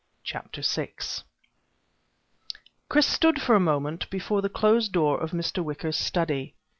CHAPTER 6 Chris stood for a moment before the closed door of Mr. Wicker's study.